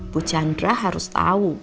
bu chandra harus tau